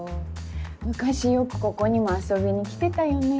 昔よくここにも遊びに来てたよね。